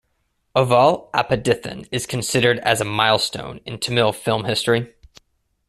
"Aval Appadithan" is considered as a milestone in Tamil film history.